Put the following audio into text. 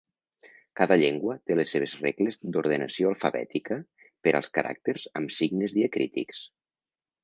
Cada llengua té les seves regles d'ordenació alfabètica per als caràcters amb signes diacrítics.